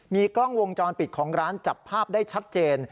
มีกล้องวงจรปิดของร้านจับภาพได้ชัดเจน